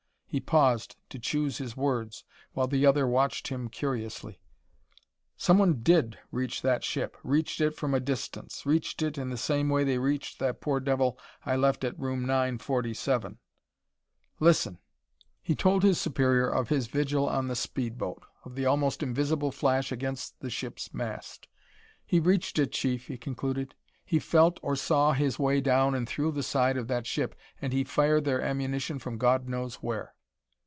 He paused to choose his words while the other watched him curiously. "Someone did reach that ship reached it from a distance reached it in the same way they reached that poor devil I left at room nine forty seven. Listen "He told his superior of his vigil on the speed boat of the almost invisible flash against the ship's mast. "He reached it, Chief," he concluded; "he felt or saw his way down and through the side of that ship. And he fired their ammunition from God knows where."